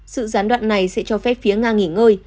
sự gián đoạn này sẽ cho phép phía nga nghỉ ngơi